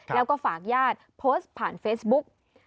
แล้วก็ฝากญาติโพสต์ผ่านเฟซบุ๊ก